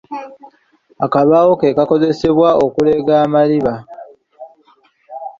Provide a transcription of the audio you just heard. Akabaawo ke kakozesebwa okuleega amaliba.